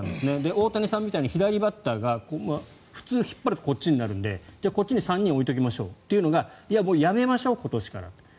大谷さんみたいに左バッターが普通、引っ張るとこっちになるのでこっちに３人を置いておきましょうというのがいや、もうやめましょう今年から。